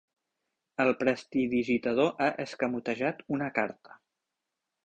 El prestidigitador ha escamotejat una carta.